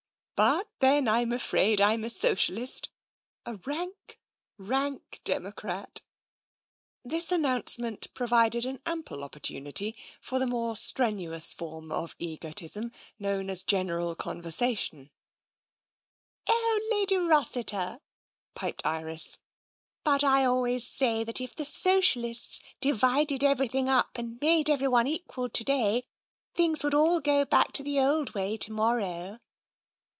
But then Fm afraid I'm a socialist — a rank, rank democrat." The announcement provided ample opportunity for the more strenuous form of egotism known as Gen eral Conversation. *' Oh, Lady Rossiter !" piped Iris ;" but I always say that if the socialists divided everything up and made everyone equal to day, things would all go back to the old way to morrow